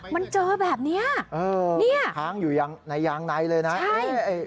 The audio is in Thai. มันเจอแบบนี้เนี่ยค้างอยู่ในยางในเลยนะ